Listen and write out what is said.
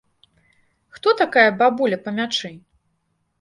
Хто такая бабуля па мячы?